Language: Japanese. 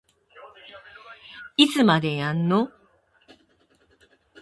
いつまでやんの